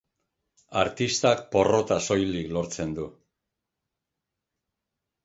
Artistak porrota soilik lortzen du.